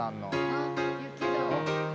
あっ雪だ。